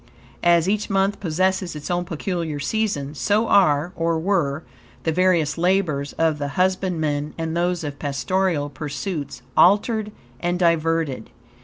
As each month possesses its own peculiar season, so are, or were, the various labors of the husbandman, and those of pastoral pursuits, altered and diverted.